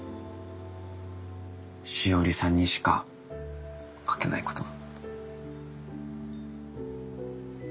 しおりさんにしか描けないことが。